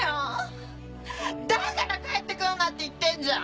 だから帰って来るなって言ってんじゃん！